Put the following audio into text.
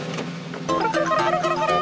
コロコロコロコロコロ！